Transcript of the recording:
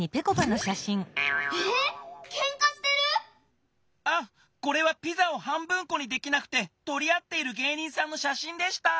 ええっけんかしてる⁉あこれはピザを半分こにできなくてとりあっている芸人さんのしゃしんでした！